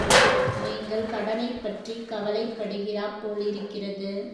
நீங்கள் கடனைப் பற்றிக் கவலைப்படுகிறாப் போலிருக்கிறது.